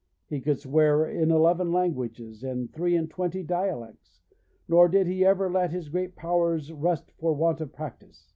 He could swear in eleven languages and three and twenty dialects, nor did he ever let his great powers rust for want of practice.